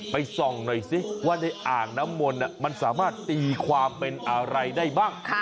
ไปส่องหน่อยสิว่าในอ่างน้ำมนต์มันสามารถตีความเป็นอะไรได้บ้าง